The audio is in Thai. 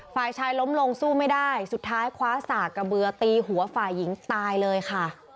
ฝ่ายชายล้มลงสู้ไม่ได้สุดท้ายคว้าสากกระเบือตีหัวฝ่ายหญิงตายเลยค่ะ